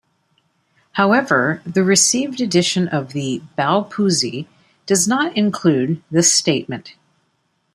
However, the received edition of the "Baopuzi" does not include this statement.